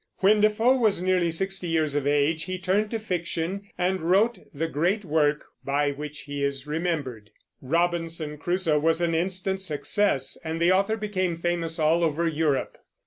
When Defoe was nearly sixty years of age he turned to fiction and wrote the great work by which he is remembered. Robinson Crusoe was an instant success, and the author became famous all over Europe.